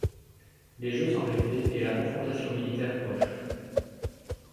Les jeux semblaient faits, et la confrontation militaire proche.